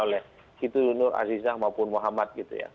oleh siti nur aziza maupun muhammad gitu ya